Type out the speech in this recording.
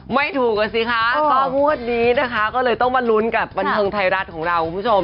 ไม่ถูกอ่ะสิคะก็งวดนี้นะคะก็เลยต้องมาลุ้นกับบันเทิงไทยรัฐของเราคุณผู้ชม